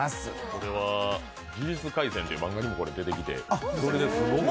これは「呪術廻戦」という漫画にも出てきて。